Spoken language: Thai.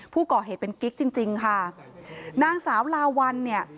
ผู้ก่อเหตุเป็นกิ๊กจริงจริงค่ะนางสาวลาวัลเนี่ย